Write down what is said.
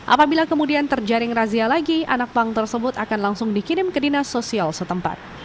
apabila kemudian terjaring razia lagi anak pang tersebut akan langsung dikirim ke dinas sosial setempat